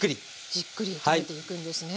じっくり炒めていくんですね。